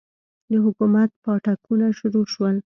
د حکومت پاټکونه شروع سول.